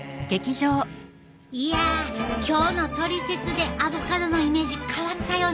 いや今日のトリセツでアボカドのイメージ変わったよね。